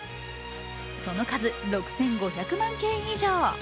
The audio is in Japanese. その数、６５００万件以上。